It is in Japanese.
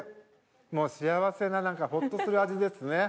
もう幸せな何かほっとする味ですね。